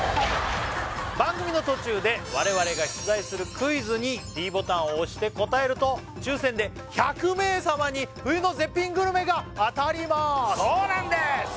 番組の途中で我々が出題するクイズにｄボタンを押して答えると抽選で１００名様に冬の絶品グルメが当たりますそうなんです